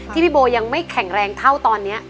พี่โบยังไม่แข็งแรงเท่าตอนนี้